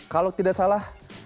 kalau tidak salah